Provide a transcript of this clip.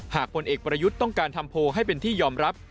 ผลเอกประยุทธ์ต้องการทำโพลให้เป็นที่ยอมรับ